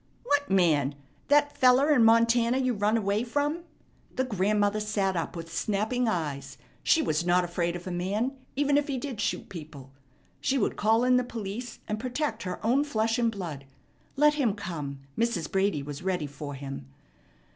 "What man? That feller in Montana you run away from?" The grandmother sat up with snapping eyes. She was not afraid of a man, even if he did shoot people. She would call in the police and protect her own flesh and blood. Let him come. Mrs. Brady was ready for him.